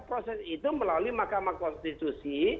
proses itu melalui mahkamah konstitusi